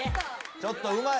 ちょっとうまい。